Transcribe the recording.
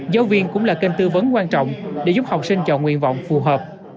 giáo viên cũng là kênh tư vấn quan trọng để giúp học sinh chọn nguyện vọng phù hợp